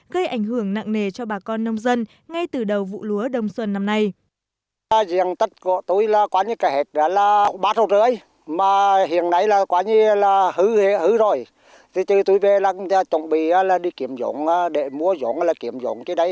gây ảnh hưởng nặng nề cho bà con nông dân ngay từ đầu vụ lúa đông xuân năm nay